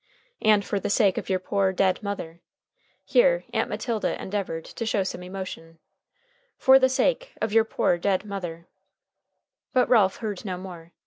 And for the sake of your poor, dead mother" here Aunt Matilda endeavored to show some emotion "for the sake of your poor dead mother " But Ralph heard no more.